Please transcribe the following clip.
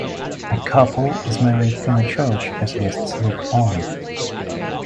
A couple is married in a church as guests look on.